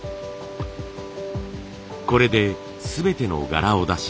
これで全ての柄を出します。